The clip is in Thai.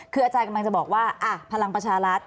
คืออาจารย์กำลังจะบอกว่าพลังประชารัฐ